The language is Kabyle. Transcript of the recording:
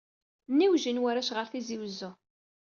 Nniwjin warrac ɣer Tizi Wezzu.